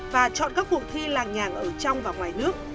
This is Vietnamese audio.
và chọn các cuộc thi làng nhà ở trong và ngoài nước